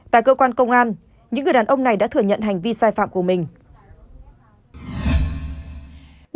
tại cơ quan công an những người đàn ông này đã thừa nhận hành vi sai phạm của mình